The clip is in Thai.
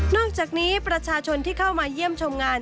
อกจากนี้ประชาชนที่เข้ามาเยี่ยมชมงาน